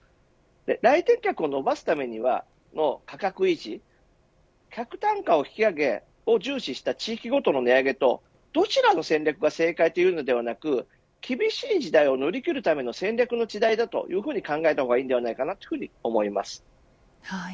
来店客を伸ばすための価格維持客単価を引き上げ、注視した地域ごとの値上げとどちらの戦略がというのではなく厳しい時代を乗り切るための戦略の違いだと考えた方がいいと思います。